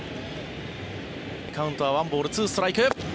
カウントはワンボール、ツーストライク。